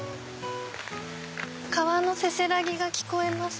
川のせせらぎが聞こえます。